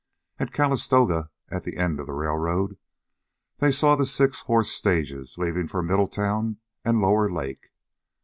At Calistoga, at the end of the railroad, they saw the six horse stages leaving for Middletown and Lower Lake.